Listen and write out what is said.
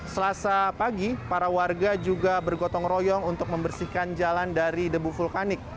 selasa pagi para warga juga bergotong royong untuk membersihkan jalan dari debu vulkanik